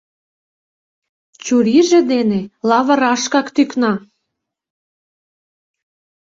Чурийже дене лавырашкак тӱкна.